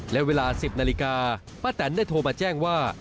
และเวลา๑๐นาฬิกาป้าแตนได้โทรมาแจ้งว่า